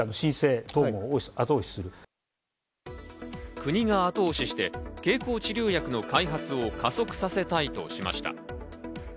国が後押しして経口治療薬の開発を加速させたいとしました。